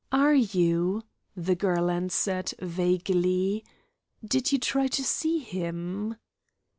"Are you?" the girl answered, vaguely. "Did you try to see him?"